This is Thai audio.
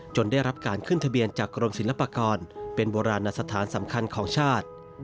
ได้รับการขึ้นทะเบียนจากกรมศิลปากรเป็นโบราณสถานสำคัญของชาติ